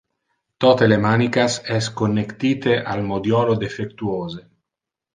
Tote le manicas es connectite al modiolo defectuose.